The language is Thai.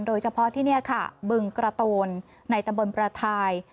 โดยเฉพาะที่นี่ค่ะบึงกระตูนในตำบลประทาย